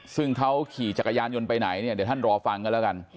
ซึ่งเขาขี่จักรยานยนต์ไปไหนเนี่ยเดี๋ยวท่านรอฟังกันแล้วกัน